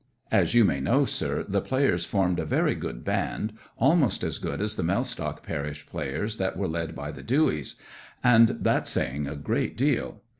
As you may know, sir, the players formed a very good band—almost as good as the Mellstock parish players that were led by the Dewys; and that's saying a great deal.